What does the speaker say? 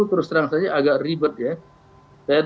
sehingga laporan kekayaannya lebih kecil daripada yang lain